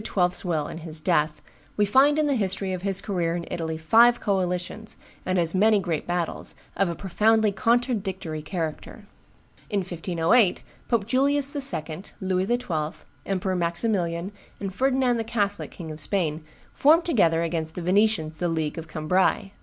's will and his death, we find in the history of his career in Italy five coalitions, and as many great battles, of a profoundly contradictory character. In 1508, Pope Julius II., Louis XII., Emperor Maximilian, and Ferdinand the Catholic, King of Spain, form together against the Venetians the League of Cambrai.